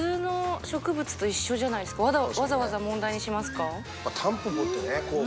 わざわざ問題にしますか？